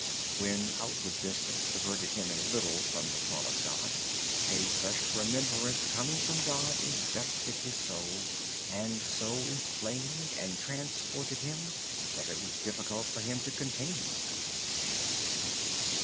When outward business diverted him a little from the thought of God a fresh remembrance coming from God invested his soul and so inflamed and transported him that it was difficult for him to contain himself.